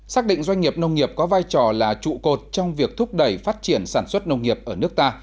xác định doanh nghiệp nông nghiệp có vai trò là trụ cột trong việc thúc đẩy phát triển sản xuất nông nghiệp ở nước ta